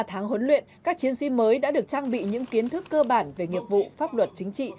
ba tháng huấn luyện các chiến sĩ mới đã được trang bị những kiến thức cơ bản về nghiệp vụ pháp luật chính trị